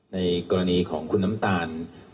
ในกรณีของคุณน้ำตาล